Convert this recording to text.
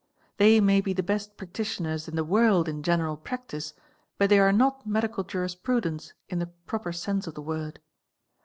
They may be the best practitioners in the world in general practice but they are not medical jurisprudents in the proper sense of the word.